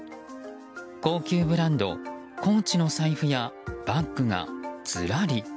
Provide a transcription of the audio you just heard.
高級ブランドコーチの財布やバッグがずらり。